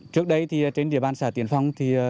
trước đây trên địa bàn xã tiền phong